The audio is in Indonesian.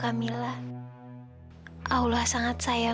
terima kasih banget bu